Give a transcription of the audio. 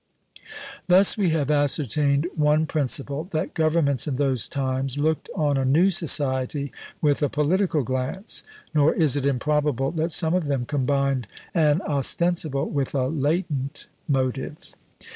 Thus we have ascertained one principle, that governments in those times looked on a new society with a political glance; nor is it improbable that some of them combined an ostensible with a latent motive.